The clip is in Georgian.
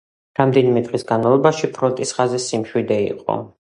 რამდენიმე დღის განმავლობაში ფრონტის ხაზზე სიმშვიდე იყო.